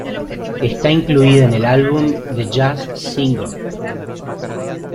Está incluida en el álbum "The Jazz Singer".